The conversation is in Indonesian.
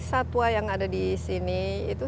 satwa yang ada di sini itu